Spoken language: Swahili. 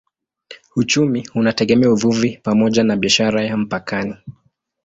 Uchumi unategemea uvuvi pamoja na biashara ya mpakani.